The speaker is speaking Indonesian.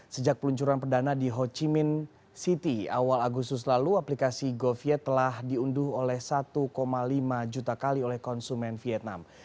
sejak peluncuran perdana di ho chi minh city awal agustus lalu aplikasi goviet telah diunduh oleh satu lima juta kali oleh konsumen vietnam